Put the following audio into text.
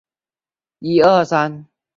他们不会救灾